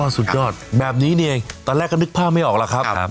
สุดยอดแบบนี้นี่เองตอนแรกก็นึกภาพไม่ออกแล้วครับ